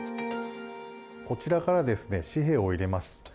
こちらからですね紙幣を入れます。